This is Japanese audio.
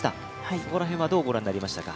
そこら辺はどうご覧になりましたか？